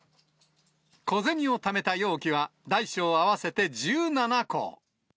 小銭をためた容器は、大小合わせて１７個。